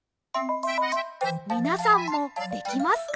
みなさんもできますか？